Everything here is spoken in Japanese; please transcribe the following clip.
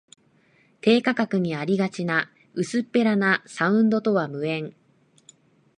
低価格にありがちな薄っぺらなサウンドとは無縁